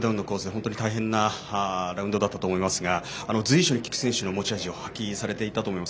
本当に大変なラウンドだったと思いますが随所に菊地選手の持ち味が発揮されていたと思います。